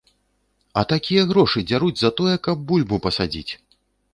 А такія грошы дзяруць за тое, каб бульбу пасадзіць!